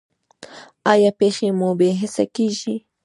ایا پښې مو بې حسه کیږي؟